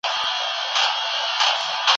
موږ به سبا په دي وخت کي په مجلس کي یو.